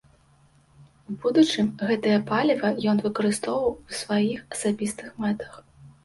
У будучым гэтае паліва ён выкарыстоўваў у сваіх асабістых мэтах.